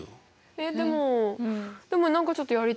えっでもでも何かちょっとやりたいな。